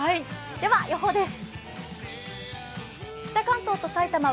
では予報です。